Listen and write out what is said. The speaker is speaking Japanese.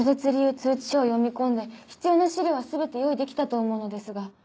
通知書を読み込んで必要な資料は全て用意できたと思うのですが。